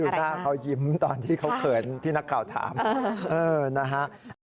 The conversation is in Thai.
คือหน้าเขายิ้มตอนที่เขาเขินที่นักข่าวถามนะฮะ